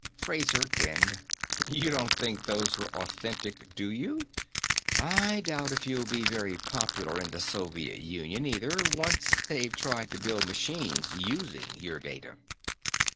Fraser grinned. "You don't think those were authentic, do you? I doubt if you'll be very popular in the Soviet Union either, once they've tried to build machines using your data."